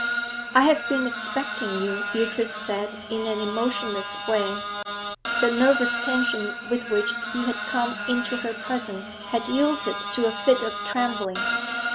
'I have been expecting you,' Beatrice said, in an emotionless way. The nervous tension with which he had come into her presence had yielded to a fit of trembling.